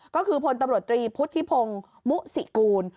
ก็คือพลตำรวจตรีพุทธิพงศ์มุสิกูล